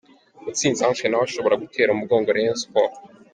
Mutsinzi Ange nawe ashobora gutera umugongo Rayon Sports.